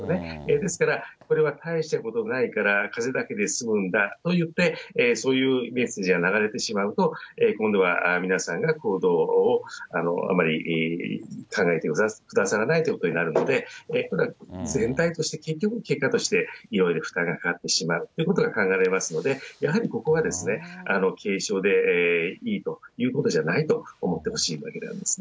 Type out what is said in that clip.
ですから、これは大したことないからかぜだけで済むんだといって、そういうメッセージが流れてしまうと、今度は皆さんが行動をあまり考えてくださらないということになるんで、ただ全体として結局、結果としていろいろ負担がかかってしまうということが考えられますので、やはりここはですね、軽症でいいということじゃないと思ってほしいわけでありますね。